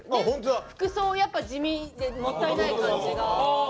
服装やっぱ地味でもったいない感じが。